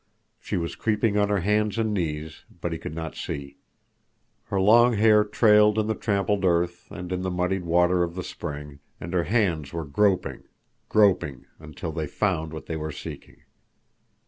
She was creeping on her hands and knees, but he could not see. Her long hair trailed in the trampled earth, and in the muddied water of the spring, and her hands were groping—groping—until they found what they were seeking.